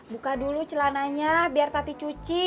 buka dulu celananya biar tati cuci